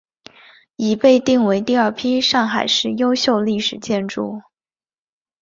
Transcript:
已被定为第二批上海市优秀历史建筑。